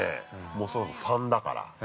もうそろそろ３だから。